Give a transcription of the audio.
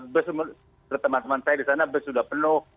bus teman teman saya di sana bus sudah penuh